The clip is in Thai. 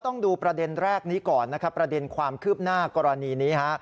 ต้องดูประเด็นแรกนี้ก่อนนะครับประเด็นความคืบหน้ากรณีนี้ฮะ